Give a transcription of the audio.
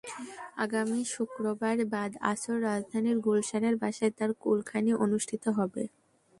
আগামী শুক্রবার বাদ আসর রাজধানীর গুলশানের বাসায় তাঁর কুলখানি অনুষ্ঠিত হবে।